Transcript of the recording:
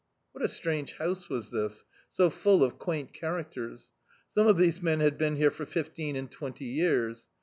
AVhat a strange house was this, so full of quaint characters. Some of these men had been here for fifteen, and twenty years.